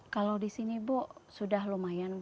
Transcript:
kalau di sini bu sudah lumayan bu